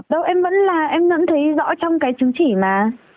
đâu em vẫn là em vẫn thấy rõ trong cái chứng chỉ mà